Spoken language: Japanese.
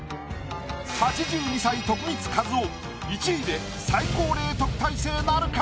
８２歳徳光和夫１位で最高齢特待生なるか？